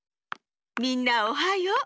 みんなおはよう。